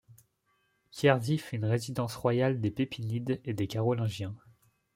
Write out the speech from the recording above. Quierzy fut une résidence royale des Pépinides et des Carolingiens.